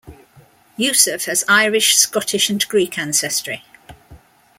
Yusuf has Irish, Scottish and Greek ancestry.